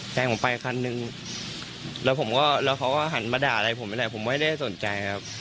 แซงผมไปคันนึงแล้วเขาก็หันมาด่าอะไรผมอย่างไรผมไม่ได้สนใจครับ